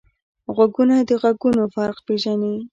غوږونه د غږونو فرق پېژني